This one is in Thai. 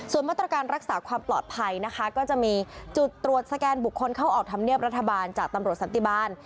ส่วนมาตรการรักษาความปลอดภัยนะคะก็จะมีจุดตรวจสแกนบุคคลเข้าออกธรรมเนียบรัฐบาลจากตำรวจสันติบาล